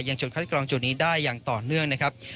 จุดคัดกรองจุดนี้ได้อย่างต่อเนื่องนะครับ